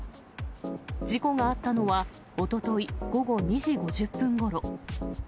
事故があったのは、おととい午後２時５０分ごろ。